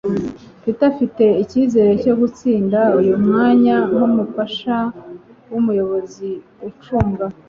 Peter afite ikizere cyo gutsinda uyu mwanya nkumufasha wumuyobozi ucunga